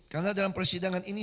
karena dalam persidangan ini